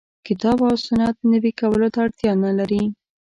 کتاب او سنت نوي کولو ته اړتیا نه لري.